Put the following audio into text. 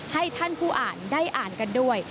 ให้ท่านผู้อ่านได้อ่านกันด้วย